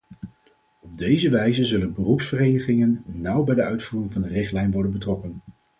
Op deze wijze zullen beroepsverenigingen nauw bij de uitvoering van de richtlijn worden betrokken.